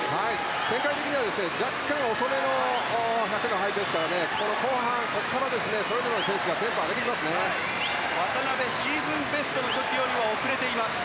展開的には若干遅めの１００の入りですから後半からそれぞれの選手が渡辺、シーズンベストより遅れています。